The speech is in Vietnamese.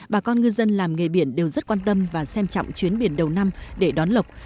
bà con ngư dân làm nghề biển đều rất quan tâm và xem trọng chuyến biển đầu năm để đón lọc